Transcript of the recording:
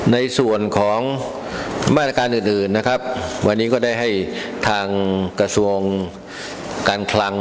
ในส่วนของมาตรการอื่นอื่นนะครับวันนี้ก็ได้ให้ทางกระทรวงการคลัง